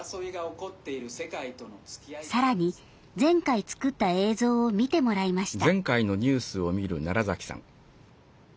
さらに、前回作った映像を見てもらいました。